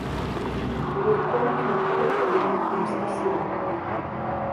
Овој коњ има повеќе од една коњска сила.